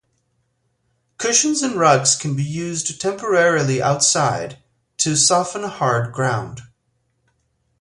Cushions and rugs can be used temporarily outside to soften a hard ground.